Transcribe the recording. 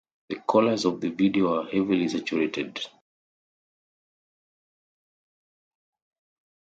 The colors of the video were heavily saturated.